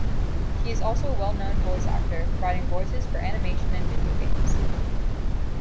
He is also a well-known voice actor, providing voices for animation and video games.